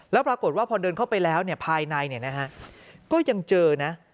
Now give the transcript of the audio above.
แล้วปรากฏว่าพอเดินเข้าไปแล้วภายในก็ยังเจอนะ